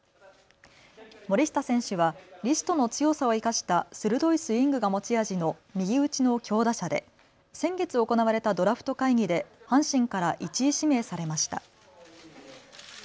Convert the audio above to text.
森下選手はリストの強さを生かした鋭いスイングが持ち味の右打ちの強打者で先月行われたドラフト会議で阪神から１位指名されました。